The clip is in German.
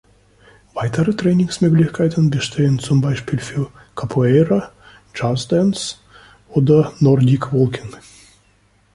Weitere Trainingsmöglichkeiten bestehen zum Beispiel für Capoeira, Jazz-Dance oder Nordic Walking.